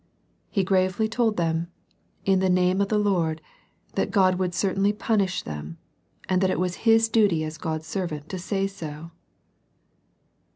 He gravely told them, "in the name of the Lord," that God would certainly punish them, and that it was his duty as God's servant to say so.